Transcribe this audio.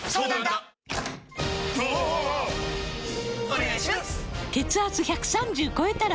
お願いします！！！